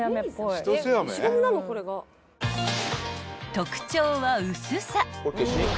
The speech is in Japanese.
［特徴は薄さ］